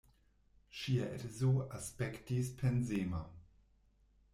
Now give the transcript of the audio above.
Ŝia edzo aspektis pensema.